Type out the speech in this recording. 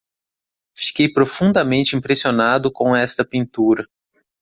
Fiquei profundamente impressionado com esta pintura.